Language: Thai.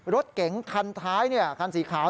รถเก๋งคันท้ายคันสีขาว